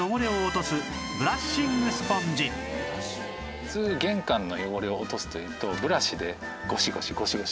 普通玄関の汚れを落とすというとブラシでゴシゴシゴシゴシ